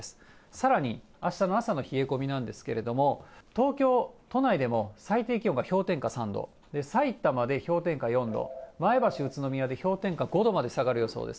さらにあしたの朝の冷え込みなんですけれども、東京都内でも最低気温が氷点下３度、さいたまで氷点下４度、前橋、宇都宮で氷点下５度まで下がる予想です。